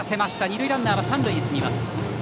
二塁ランナー三塁に進みます。